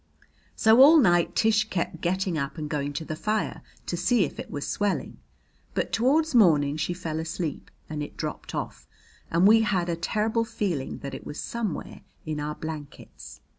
So all night Tish kept getting up and going to the fire to see if it was swelling. But toward morning she fell asleep and it dropped off, and we had a terrible feeling that it was somewhere in our blankets.